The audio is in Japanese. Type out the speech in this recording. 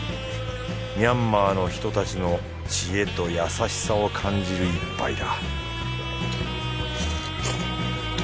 ミャンマーの人たちの知恵と優しさを感じる一杯だ